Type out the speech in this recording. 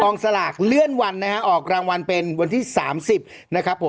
สลากเลื่อนวันนะฮะออกรางวัลเป็นวันที่๓๐นะครับผม